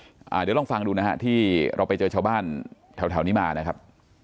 เดี๋ยวลองฟังดูนะฮะที่เราไปเจอชาวบ้านแถวนี้มานะครับ